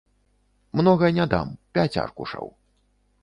Многа не дам, пяць аркушаў.